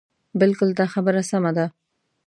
بلکل دا خبره سمه ده.